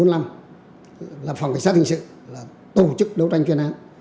là phòng cảnh sát hình sự là tổ chức đấu tranh chuyên án